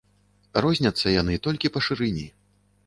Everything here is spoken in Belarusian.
Розняцца яны толькі па шырыні.